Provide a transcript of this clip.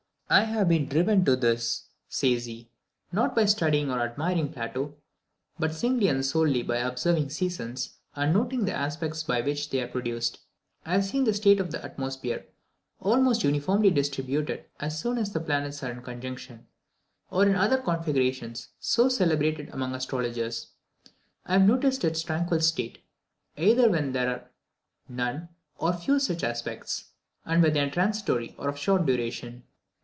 "I have been driven to this," says he, "not by studying or admiring Plato, but singly and solely by observing seasons, and noting the aspects by which they are produced. I have seen the state of the atmosphere almost uniformly disturbed as often as the planets are in conjunction, or in the other configurations so celebrated among astrologers. I have noticed its tranquil state either when there are none or few such aspects, or when they are transitory and of short duration."